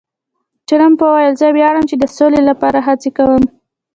ټرمپ وویل، زه ویاړم چې د سولې لپاره هڅې کوم.